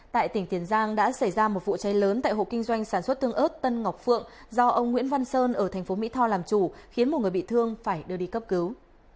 tại tỉnh tiền giang đã xảy ra một vụ cháy lớn tại hộ kinh doanh sản xuất tương ớt tân ngọc phượng do ông nguyễn văn sơn ở thành phố mỹ tho làm chủ khiến một người bị thương phải đưa đi cấp cứu